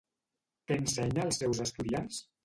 Què ensenya als seus estudiants?